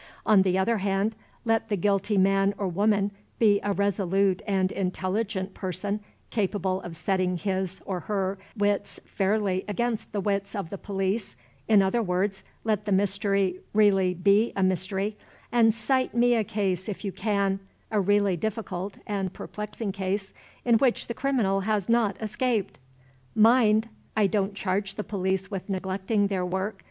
On the other hand, let the guilty man or woman be a resolute and intelligent person, capable of setting his (or her) wits fairly against the wits of the police in other words, let the mystery really be a mystery and cite me a case if you can (a really difficult and perplexing case) in which the criminal has not escaped. Mind! I don't charge the police with neglecting their work.